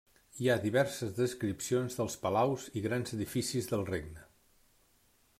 Hi ha diverses descripcions dels palaus i grans edificis del regne.